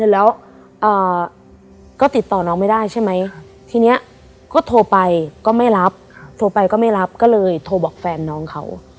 แล้วก็ติดต่อน้องไม่ได้ใช่ไหมทีนี้ก็โทรไปก็ไม่รับโทรไปก็ไม่รับก็เลยโทรบอกแฟนน้องเขา